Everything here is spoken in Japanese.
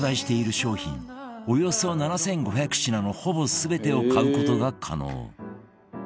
およそ７５００品のほぼ全てを買う事が可能